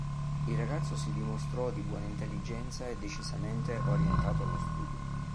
Il ragazzo si dimostrò di buona intelligenza e decisamente orientato allo studio.